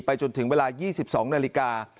จนถึงเวลา๒๒นาฬิกา